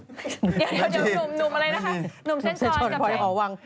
เดี๋ยวหนุ่มอะไรนะครับ